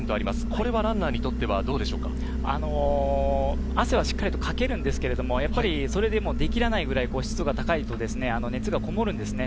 これはランナーにとってはどうで汗はしっかりとかけるんですけれど、それでも出きらないくらい湿度が高いと熱がこもるんですね。